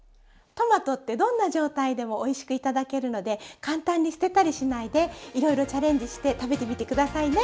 トマトってどんな状態でもおいしく頂けるので簡単に捨てたりしないでいろいろチャレンジして食べてみて下さいね。